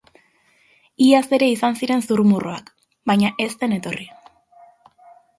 Iaz ere izan ziren zurrumurruak baina ez zen etorri.